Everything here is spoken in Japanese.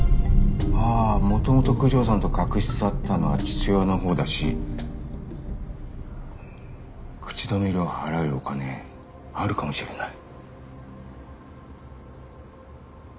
ああもともと九条さんと確執あったのは父親の方だし口止め料払えるお金あるかもしれない。